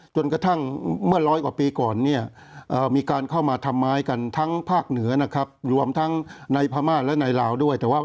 จนกระทั่งเมื่อร้อยกว่าปีก่อนเนี่ยมีการเข้ามาทำร้ายกันทั้งภาคเหนือนะครับรวมทั้งในพม่าและในลาวด้วยแต่ว่า